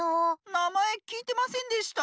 なまえきいてませんでした。